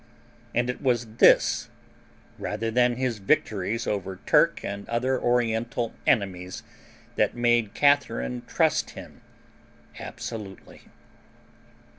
And it was this rather than his victories over Turk and other oriental enemies that made Catharine trust him absolutely.